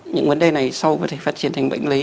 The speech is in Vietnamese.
những vấn đề này sau có thể phát triển thành bệnh lý